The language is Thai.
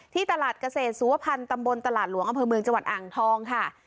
ที่ตลาดเกษตรสุวพันธ์ตำบลตลาดหลวงอำเภอเมืองจังหวัดอ่างทองค่ะ